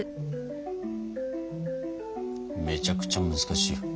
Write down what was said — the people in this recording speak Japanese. めちゃくちゃ難しい。